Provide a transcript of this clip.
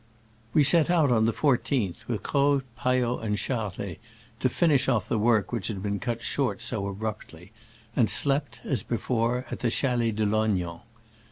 We set out on the 14th, with Croz, Payot and Charlet, to finish off the work which had been cut short so abruptly, and slept, as before, at the Chalets de Lognan.